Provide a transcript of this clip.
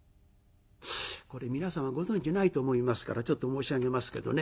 これ皆様ご存じないと思いますからちょっと申し上げますけどね